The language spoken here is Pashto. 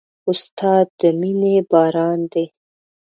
استاد د مینې باران دی.